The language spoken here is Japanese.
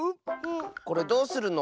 これどうするの？